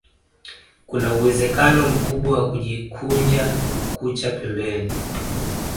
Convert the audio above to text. Kuna uwezekano mkubwa wa kujikunja kwa kucha pembeni